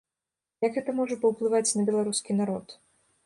Як гэта можа паўплываць на беларускі народ?